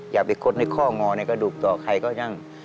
อย่าไปคดในข้องอในกระดูกต่อใครก็ยัง